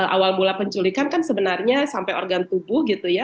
awal mula penculikan kan sebenarnya sampai organ tubuh gitu ya